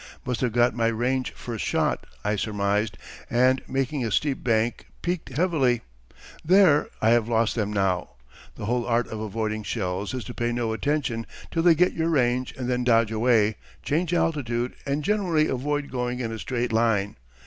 "Must have got my range first shot!" I surmised, and making a steep bank piqued heavily. "There, I have lost them now." The whole art of avoiding shells is to pay no attention till they get your range and then dodge away, change altitude, and generally avoid going in a straight line.